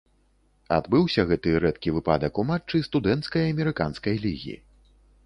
Адбыўся гэты рэдкі выпадак у матчы студэнцкай амерыканскай лігі.